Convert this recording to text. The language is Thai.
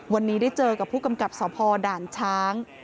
วันนี้ได้เจอกับผู้กำกับสพด่านช้าง